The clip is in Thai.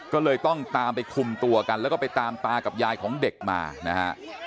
ก็เลยต้องตามไปคุมตัวกันแล้วก็ไปตามตากับยายของเด็กมานะฮะ